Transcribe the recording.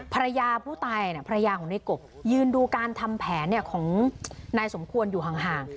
ภรรยาผู้ตายภรรยาของในกบยืนดูการทำแผนของนายสมควรอยู่ห่าง